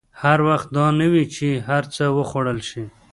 هر وخت دا نه وي چې هر څه وخوړل شي.